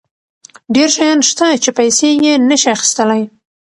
ډېر شیان شته چې پیسې یې نشي اخیستلی.